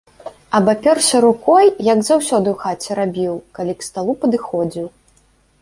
Абапёрся рукой, як заўсёды ў хаце рабіў, калі к сталу падыходзіў.